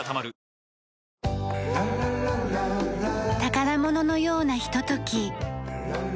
宝物のようなひととき。